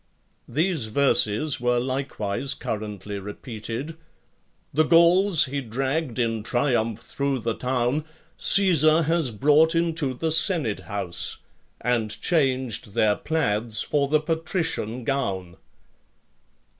These verses were likewise currently repeated: The Gauls he dragged in triumph through the town, Caesar has brought into the senate house, And changed their plaids for the patrician gown.